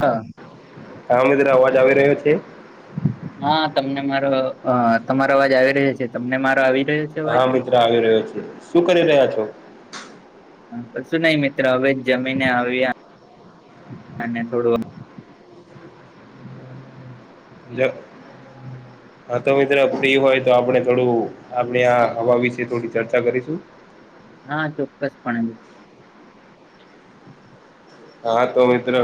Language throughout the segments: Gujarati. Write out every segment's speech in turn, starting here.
હા. હા મિત્ર અવાજ આવી રહ્યો છે? હા તમને મારો અ તમારો અવાજ આવી રહ્યો છે તમને મારો આવી રહ્યો છે? અવાજ હા મિત્ર આવી રહ્યો છે. શું કરી રહ્યા છો? કશું નઈ મિત્ર હવે જ જમીને આવ્યા અને થોડું જ. હા તો મિત્ર ફ્રી હોય તો આપણે થોડું આપની આ હવા વિશે થોડી ચર્ચા કરીશું? હા ચોક્કસ પણે. હા તો મિત્ર.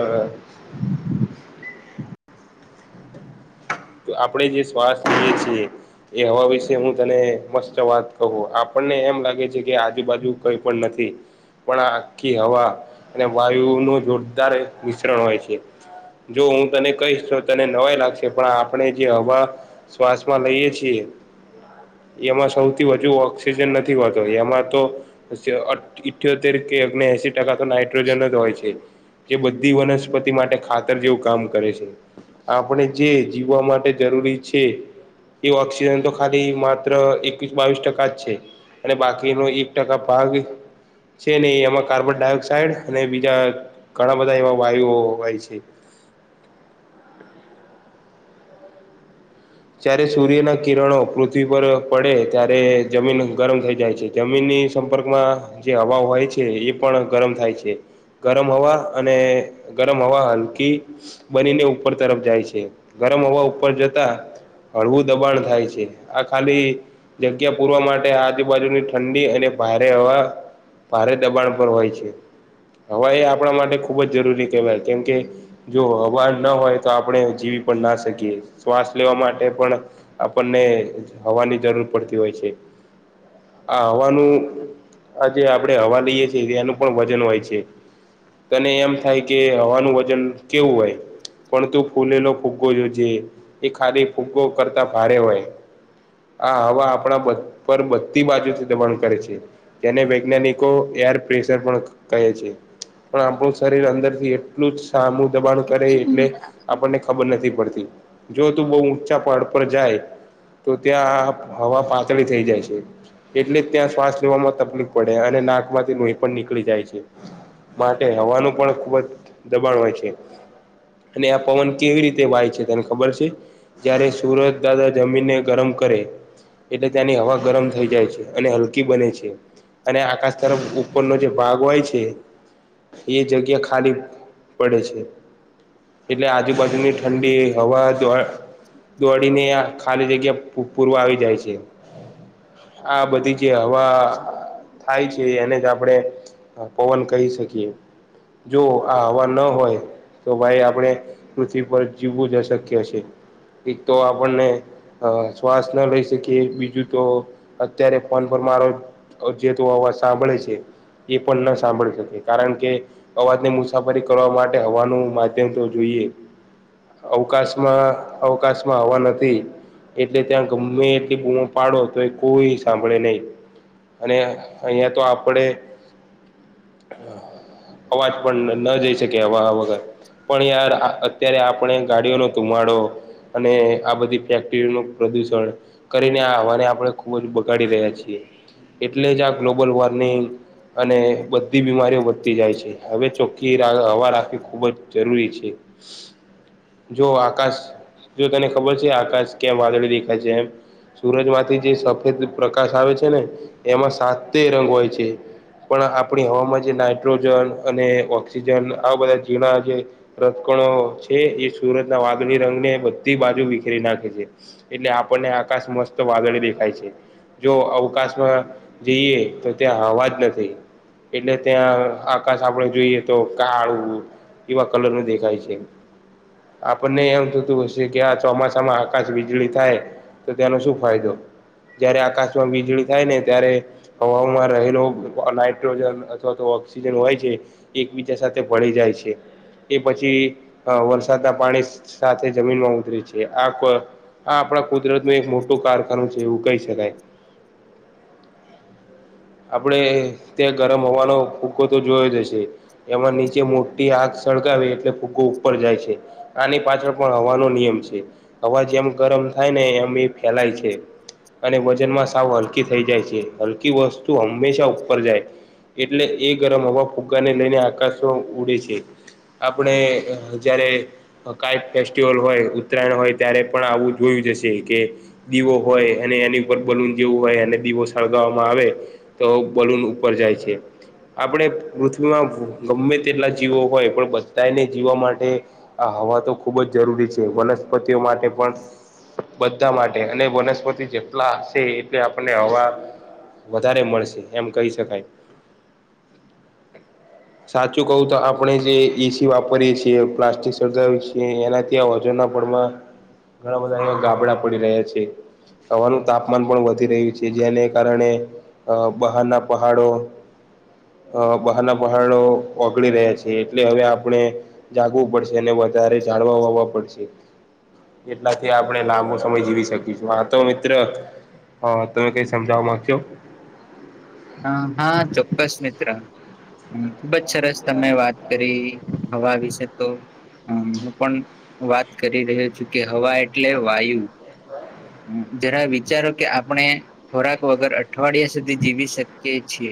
તો આપણેે જે શ્વાસ લઈએ છીએ. એ હવા વિશે હું તને મસ્ત વાત કહું આપણને એમ લાગે છે કે આજુબાજુ કંઈ પણ નથી. પણ આખી હવા અને વાયુ નું જોરદાર મિશ્રણ હોય છે. જો હું તને કહીશ તો તને નવાઈ લાગશે પણ આપણે જે હવા શ્વાસ માં લઈએ છીએ. એમાં સૌથી વધુ ઓક્સિજન નથી હોતો એમાં તો, ઇઠ્યોતેર કે અગને એશી ટકા તો નાઇટ્રોજન જ હોય છે. જે બધી વનસ્પતિ માટે ખાતર જેવું કામ કરે છે આપણે જે. જીવવા માટે જરૂરી છે. એ ઓક્સિજન તો ખાલી માત્ર એકવીસ, બાવીસ ટકા જ છે. અને બાકીનો એક ટકા ભાગ. છે ને એમાં કાર્બન ડાયોક્સાઇડ અને બીજા ઘણા બધા એવા વાયુઓ હોય છે. જયારે સૂર્યના કિરણો પૃથ્વી પર પડે ત્યારે જમીન ગરમ થઈ જાય છે. જમીનની સંપર્કમાં જે હવા હોય છે એ પણ ગરમ થાય છે. ગરમ હવા અને ગરમ હવા હલકી. બનીને ઉપર તરફ જાય છે ગરમ હવા ઉપર જતા, હળવું દબાણ થાય છે આ ખાલી. જગ્યા પૂરવા માટે આજુબાજુની ઠંડી અને ભારે હવા. ભારે દબાણ પર હોય છે હવે એ આપણા માટે ખુબ જ જરૂરી કહેવાય કેમ કે, જો હવા ના હોય તો આપણે જીવી પણ ના શકીએ શ્વાસ લેવા માટે [unintelligible] આપણને હવાની જરૂર પડતી હોય છે. આ હવાનું આ જે આપણેે હવા લઈએ છીએ, એનું પણ વજન હોય છે. તને એમ થાય કે હવાનું વજન કેવું હોય? પણ તું ફૂલેલો ફુગ્ગો જોજે એ ખાલી ફુગ્ગો કરતા ભારે હોય. આ હવા આપણા પર બધી બાજુથી દબાણ કરે છે. જેને વૈજ્ઞાનિકો એર પ્રેશર પણ કહે છે. પણ આપણું શરીર અંદરથી એટલું જ સામું દબાણ કરે, એટલે આપણને ખબર નથી પડતી જો તું બહુ ઊંચા પહાડ પર જાય તો ત્યાં હવા પાતળી થઈ જાય છે. એટલે જ ત્યાં શ્વાસ લેવામાં તકલીફ પડે અને નાક માંથી લોહી પણ નીકળી જાય છે. માટે હવાનું પણ ખૂબ જ દબાણ હોય છે. અને આ પવન કેવી રીતે વાય છે, તને ખબર છે? જ્યારે સુરજ દાદા જમીનને ગરમ કરે. એટલે ત્યાંની હવા ગરમ થઈ જાય છે અને હલકી બને છે. અને આકાશ તરફ ઉપરનો જે ભાગ હોય છે. એ જગ્યા ખાલી પડે છે. એટલે આજુબાજુની ઠંડી હવા જો હ. દોડી ને ખાલી જગ્યા પૂરવા આવી જાય છે. આ બધી જે હવા થાય છે, એને જ આપણે હા પવન કહી શકીએ જો આ હવા ન હોય તો ભાઈ આપણે પૃથ્વી પર જીવવું જ અશક્ય છે. એક તો આપણને હ શ્વાસ ન લઈ શકે બીજું તો અત્યારે ફોન પર મારો જે તો અવાજ સાંભળે છે એ પણ ના સાંભળી શકે કારણ કે અવાજ ની મુસાફરી કરવા માટે હવાનું માધ્યમ તો જોઈએ. અવકાશમાં અવકાશમાં હવા નથી. એટલે ત્યાં ગમે એટલી બૂમો પાડો તો એ કોઈ સાંભળે નહીં. અને અહિયાં તો આપડે [inaudible] અવાજ પણ ન જઈ શકે હવા વગર. પણ યાર આ અત્યારે આપણે ગાડીઓનો ધુમાડો અને આ બધી ફેક્ટરીનું પ્રદુષણ કરીને આ હવાને આપણે ખૂબ જ બગાડી રહ્યા છીએ એટલે જ આ ગ્લોબલ વોર્મિંગ અને બધી બીમારીઓ વધતી જાય છે હવે ચોખ્ખી હવા રાખવી ખૂબ જ જરૂરી છે જો આકાશ જો તને ખબર છે આકાશ કે વાદળી દેખાય છે એમ. સુરજ માંથી જે સફેદ પ્રકાશ આવે છે ને એમાં સાતે રંગ હોય છે. પણ આપણી હવામાં જે નાઇટ્રોજન અને ઓક્સિજન આવા બધા ઝીણા જે રથકણો છે એ સુરત ના વાદળી રંગને બધ બાજુ વિખેરી નાખે છે એટલે આપણને આકાશ મસ્ત વાદળી દેખાય છે. જો અવકાશમાં જઈએ તો ત્યાં હવા જ નથી. એટલે ત્યાં આકાશ આપડે જોઈએ તો કાળું એવા કલર નું દેખાય છે આપણને એમ થતું હશે કે આ ચોમાસામાં આકાશ વીજળી થાય તો તેનો શું ફાયદો? જયારે આકાશમાં વીજળી થાય ને ત્યારે હવામાં રહેલો નાઈટ્રોજન અથવા તો ઓક્સિજન હોય છે. એકબીજા સાથે ભળી જાય છે એ પછી વરસાદના પાણી સાથે જ જમીનમાં ઉતરે છે આ આ આપણા કુદરત ને એક મોટું કારખાનું છે એવું કહી શકાય. [inaudible] આપણેે ત્યાં ગરમ હોવાનો ફૂકો તો જોયો જ હશે. એમાં નીચે મોટી આગ સળગાવી એટલે ફુગો ઉપર જાય છે આની પાછળ પણ હવા નો નિયમ છે હવા જેમ ગરમ થાય ને એમ એ ફેલાય છે અને વજનમાં સાવ હલ થઈ જાય છે. હલકી વસ્તુ હંમેશા ઉપર જાય. એટલે એ ગરમ હવા ફુગ્ગાને લઈને આકાશમાં ઉડે છે. આપણે જ્યારે કાંઈક ફેસ્ટિવલ હોય ઉત્તરાયણ હોય ત્યારે પણ આવું જોયું જશે કે દીવો હોય અને એની ઉપર બલૂન જેવું હોય અને દીવો સળગાવવામાં આવે તો બલૂન ઉપર જાય છે. આપણે પૃથ્વીમાં ગમે તેટલા જીવો હોય પણ બધાને જીવવા માટે આ હવા તો ખુબ જ જરૂરી છે વનસ્પતિઓ માટે પણ બધા માટે અને વનસ્પતિ જેટલા હશે એટલે આપને હવા વધારે મળશે એમ કહી શકાય. સાચું કહું તો આપણે જે એસી વાપરીએ છીએ. પ્લાસ્ટિક સળગાવી કે એનાથી આ ઓજોનના પળમાં ઘણા બધા એ ગાબડા પડી રહ્યા છે. હવાનું તાપમાન પણ વધી રહ્યું છે જેને કારણે અ બહારના પહાડો અ બહારના પહાડો ઓગડીી રહ્યા છે. એટલે હવે આપણે જાગવું પડશે એને વ વધારે જાળવા હોવા પડશે. એટલાથી આપણે લાંબો સમય જીવી શકીએ. તો મિત્ર હ તમે કઈ સમજાવવા માંગશો? હ હા ચોક્કસ મિત્ર. હ ખુબ જ સરસ તમે વાત કરી હવા વિશે તો હું પણ વાત કરી રહ્યો છું. કે હવા એટલે વાયુ. જરા વિચારો કે આપણે ખોરાક વગર અઠવાડિયા સુધી જીવી શકીએ કે છે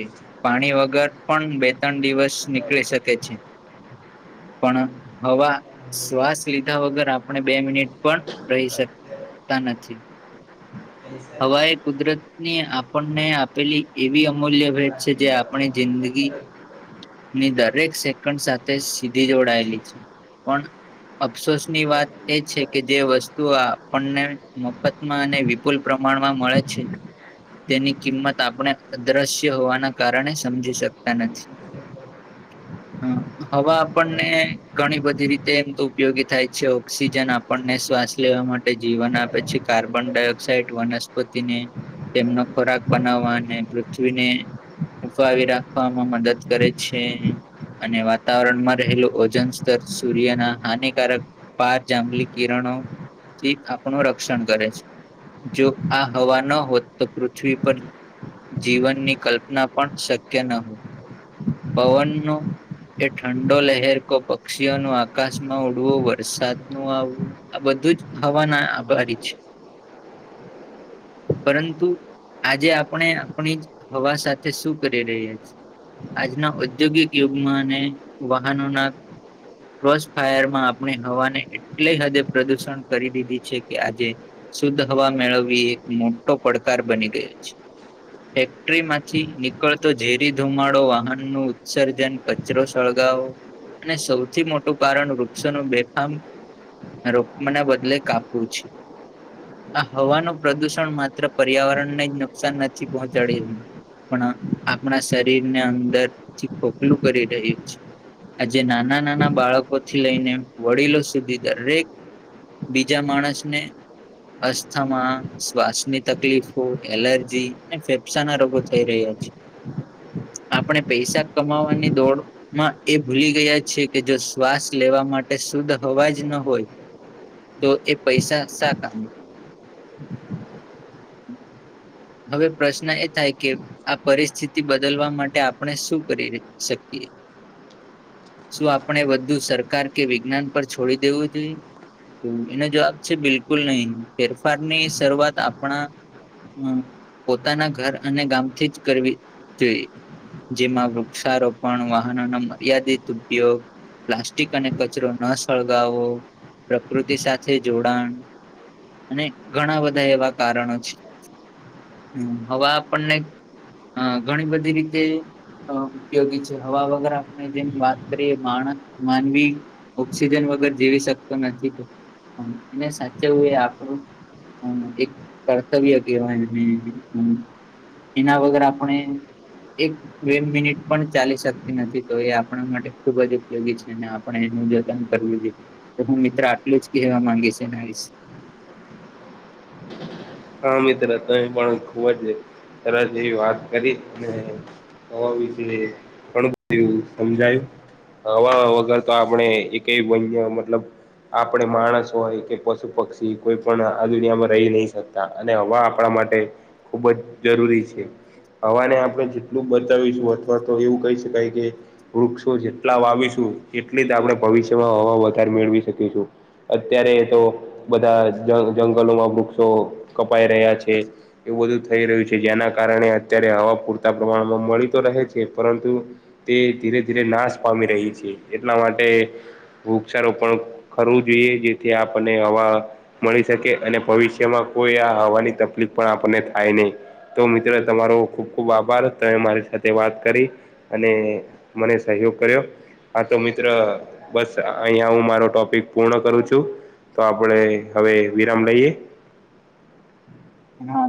પાણી વગર પણ બે ત્રણ દિવસ નીકળી શકે છે. પણ હવા શ્વાસ લીધા વગર આપણે બે મિનિટ પણ રહી શક નથી હવા એ કુદરતની આપણને આપેલી એવી અમૂલ્ય ભેટ છે જે આપણી જિંદગી ની દરેક સેકન્ડ સાથે સીધી જોડાયેલી છે પણ અફસોસની વાત એ છે કે જે વસ્તુ આપણને મફત અને વિપુલ પ્રમાણમાં મળે છે. તેની કિંમત આપણે અદ્રશ્ય હોવાના કારણે સમજી શકતા નથી. [inaudible] હમ હવા આપણને ઘણી બધી રીતે એમ તો ઉપયોગી થાય છે. ઓક્સિજન આપણને શ્વાસ લેવા માટે જીવન આપે છે કાર્બન ડાયોક્સાઇડ વનસ્પતિને તેમનો ખોરાક બનાવવા અને પૃથ્વીને ફફાવી રાખવામાં મદદ કરે છે અને વાતાવરણમાં રહેલું ઓજન સ્તર સૂર્યના હાનિકારક પાર જાંબલી કિરણો થી આપણું રક્ષણ કરે છે જો આ હવા ન હોત તો પૃથ્વી પર જીવનની કલ્પના પણ શક્ય ન હોય. પવનો એ ઠંડો લહેર કો પક્ષીઓ નુ આકાશમાં ઉડવું વરસાદ નું આવવું. આ બધું જ હવાના આભારી છે. પરંતુ આજે આપણે આપણી હવા સાથે શું કરી રહ્યા છીએ. આજના ઔદ્યોગિક યુગમાં અને વાહનોના ક્રોસ ફાયર માં આપણે હવાને એટલી હદે પ્રદુષણ કરી દીધી છે કે આજે શુદ્ધ હવા મેળવવી એક મોટો પડકાર બની ગયો છે. ફેક્ટરી માંથી નીકળતો ઝેરી ધુમાડો વાનનું ઉત્સર્જન કચરો સળગાવો અને સૌથી મોટું કારણ વૃક્ષનું બેફામ રોપવાના બદલે કાપવું છે. આ હવાનું પ્રદુષણ માત્ર પર્યાવરણને જ નુકસાન નથી પહોંચાડી રહ્યું પણ આપણા શરીર ને અંદર થી ખોખલું કરી રહ્યું છે આજે નાના નાના બાળકોથી લઈને વડીલો સુધી દરેક બીજા માણસને અસ્થામાં શ્વાસની તકલીફો એલર્જી અને ફેફસા ના રોગો થઈ રહ્યા છે આપણે પૈસા કમાવાની દોડ માં એ ભૂલી ગયા છે કે જો શ્વાસ લેવા માટે શુદ્ધ હવા જ ન હોય તો એ પૈસા સા કમના [inaudible] હવે પ્રશ્ન એ થાય કે આ પરિસ્થિતિ બદલવા મા આપણે શું કરી ર શકીએ? શું આપણે વધુ સરકાર કે વિજ્ઞાન પર છોડી દેવું જોઈએ? તો એનો જવાબ છે બિલકુલ નહી ફેરફાર ની શરૂઆત આપણા હમ પોતાના ઘર અને ગામથી જ કરવી જોઈએ જેમાં વૃક્ષારોપણ વાહનોનો મર્યાદિત ઉપયોગ પ્લાસ્ટિક અને કચરો ન સળગાવો પ્રકૃતિ સાથે જોડાણ અને ઘણા બધા એવા કારણો છે. હમ હવા આપણને ઘણી બધી રી જે ઉપયોગી છે હવા વગર આપણે જેમ વાત કરીએ માણસ માનવી ઓક્સિજન વગર જીવી શકતો નથી એને સાચે હું એ આપણું હમ એક કર્તવ્ય કહેવાય અને એના વગર આપણે એક બે મિનિટ પણ ચાલી શકતી નથી તો એ આપણા માટે ખુબ જ ઉપયોગી છે અને આ પણ એનું જતન કરવું જોઈએ તો હું મિત્ર આટલું જ કહેવા માંગીસ એના વિશે હા મિત્ર તમે પણ ખુબ જ સર જેવી વાત કરી અને હવા વીસે ઘણુ બધું એ સમજાયું હવા વગર તો આપણે એકય બન મતલબ આપણે માણસ હોય કે પશુ પક્ષી કોઈ પણ આ દુનિયામાં રહી નહી અને હવા આપણા માટે ખુબ જ જરૂરી છે. હવાને આપણે જેટલું બતાવીશું અથવા તો એવું કહી શકાય કે વૃક્ષો જેટલા વાવીશું એટલી જ આપણે ભવિષ્યમાં હવા વધારે મેળવી શકીશું અત્યારે તો બધા જ જંગલોમાં વૃક્ષો કપાઈ રહ્યા છે. એવું બધું થઈ રહ્યું છે જેના કારણે અત્યારે હવા પૂરતા પ્રમાણમાં મળી તો રહે છે પરંતુ તે ધીરે ધીરે નાશ પામી રહી છે એટલા માટે વૃક્ષારોપણ કરવું જોઈએ જેથી આપણને હવા મળી શકે અને ભવિષ્ય જેમાં કોઈ આ હવાની તકલીફ પણ આપણને થાય નહી. તો મિત્રો તમારો ખૂબ ખૂબ આભાર તમે મારી સાથે વાત કરી અને મને સહયોગ કર્યો. હા તો મિત્ર બસ અહીયા હું મારો ટોપિક પૂર્ણ કરું છું. તો આપણે હવે વિરામ લઈએ હા